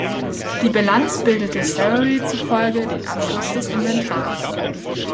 Die Bilanz bildete Savary zufolge den Abschluss des Inventars.